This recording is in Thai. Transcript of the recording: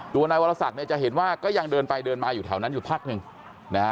นายวรศักดิ์เนี่ยจะเห็นว่าก็ยังเดินไปเดินมาอยู่แถวนั้นอยู่พักหนึ่งนะฮะ